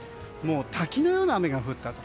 滝のような雨が降ったと。